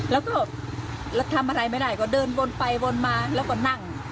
แล้วก็ทำอะไรไม่ได้ก็เดินวนไปวนมาแล้วก็นั่ง